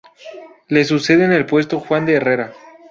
Le sucede en el puesto Juan de Herrera.